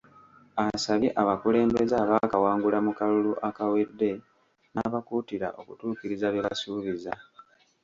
Asabye abakulembeze abaakawangula mu kalulu akawedde n’abakuutira okutuukiriza bye basuubiza.